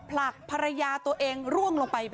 กลับมารับทราบ